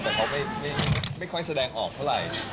แต่เขาไม่ค่อยแสดงออกเท่าไหร่